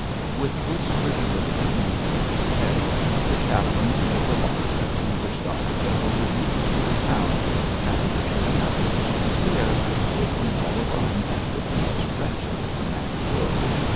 With this pretty little scheme in his head, the chaplain entered the library in which Dr Pendle was usually to be found, and sure enough the bishop was there, sitting all alone and looking as wretched as a man could.